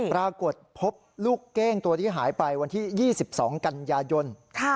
ปรากฏพบลูกเก้งตัวที่หายไปวันที่๒๒กันยายน